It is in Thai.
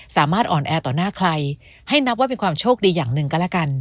สามารถอ่อนแอต่อหน้าใครให้นับว่าเป็นความโชคดีอย่างหนึ่งก็แล้วกัน